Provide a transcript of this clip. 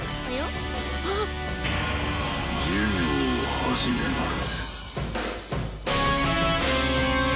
授業を始めます。